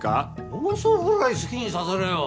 妄想ぐらい好きにさせろよ。